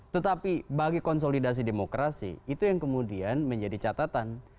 tetapi bagi konsolidasi demokrasi itu yang kemudian menjadi catatan